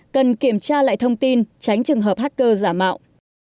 cần kiểm tra lại thông tin tránh trường hợp hacker giả mạo